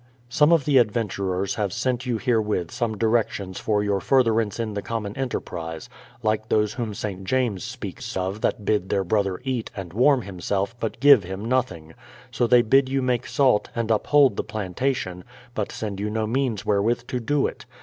Some of the adventurers have sent you herewith some directions for your furtherance in the common enterprise, — like those whom St. James speaks of, that bid their brother eat, and warm himself, but give him nothing; so they bid you make salt, and uphold the plantation, but send you no means wherewith to do it.